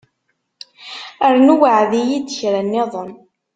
Rnu weεεed-iyi-d kra nniḍen.